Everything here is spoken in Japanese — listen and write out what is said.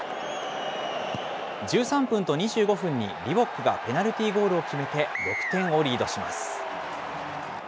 １３分と２５分にリボックがペナルティーゴールを決めて、６点をリードします。